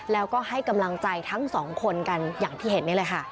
แล้วก็ให้กำลังใจทั้งสองคนกันอย่างที่เห็นนี่แหละค่ะ